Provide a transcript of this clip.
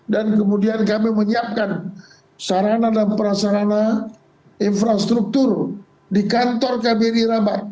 dan kemudian kami menyiapkan sarana dan perasarana infrastruktur di kantor kbri rabar